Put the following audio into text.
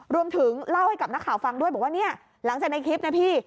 รวมถึงเล่าให้กับนักข่าวฟังด้วยบอกว่าเนี่ยหลังจากในคลิปนะพี่